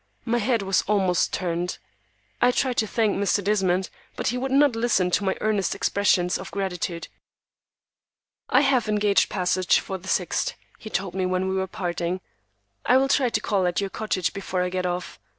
My head was almost turned. I tried to thank Mr. Desmond, but he would not listen to my earnest expressions of gratitude. "I have engaged passage for the 6th," he told me when we were parting; "I will try to call at your cottage before I get off.